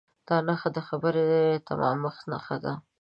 دا نښه د خبرې د تمامښت نښه ده.